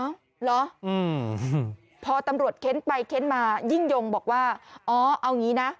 เหรออืมพอตำรวจเค้นไปเค้นมายิ่งยงบอกว่าอ๋อเอางี้นะ